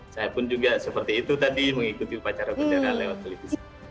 saya pun juga seperti itu tadi mengikuti upacara bendera lewat televisi